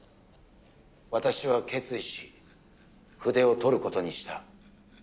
「私は決意し筆を執ることにした」。